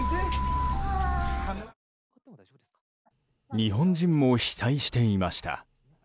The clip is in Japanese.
日本人も被災していました。